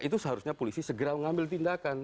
itu seharusnya polisi segera mengambil tindakan